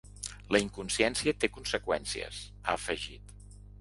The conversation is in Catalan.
La inconsciència té conseqüències, ha afegit.